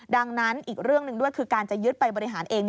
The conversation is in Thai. ดังนั้นอีกเรื่องหนึ่งด้วยคือการจะยึดไปบริหารเอง